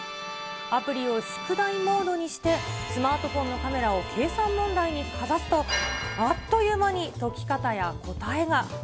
アプリを宿題モードにして、スマートフォンのカメラを計算問題にかざすと、あっという間に解き方や答えが。